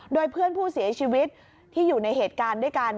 โดยเพื่อนผู้เสียชีวิตที่อยู่ในเหตุการณ์ด้วยกัน